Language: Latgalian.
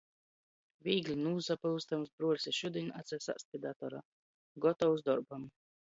Vīgli nūsapyuzdams, bruoļs i šudiņ atsasāst pi datora, gotovs dorbam.